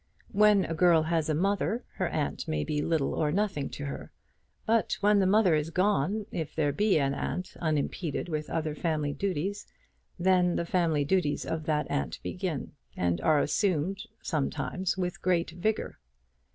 When a girl has a mother, her aunt may be little or nothing to her. But when the mother is gone, if there be an aunt unimpeded with other family duties, then the family duties of that aunt begin and are assumed sometimes with great vigour.